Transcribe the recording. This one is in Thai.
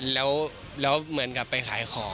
แล้วเหมือนกับไปขายของ